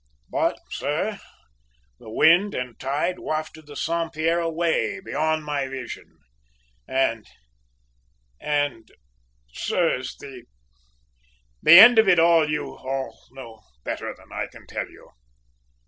"But, sir, the wind and tide wafted the Saint Pierre away beyond my vision; and and sirs, the the end of it all you all know better than I can tell you!"